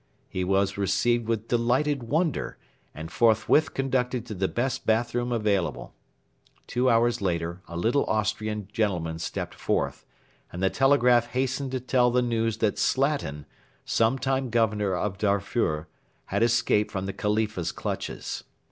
He was received with delighted wonder, and forthwith conducted to the best bath room available. Two hours later a little Austrian gentleman stepped forth, and the telegraph hastened to tell the news that Slatin, sometime Governor of Darfur, had escaped from the Khalifa's clutches.